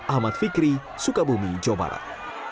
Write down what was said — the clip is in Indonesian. ahmad fikri sukabumi jawa barat